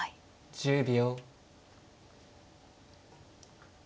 １０秒。